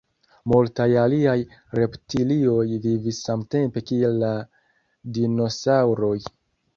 Multaj aliaj reptilioj vivis samtempe kiel la dinosaŭroj.